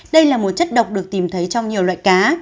đây là một chất độc được tìm thấy trong nhiều loại cá